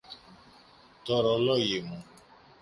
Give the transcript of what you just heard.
Τ' ωρολόγι μου!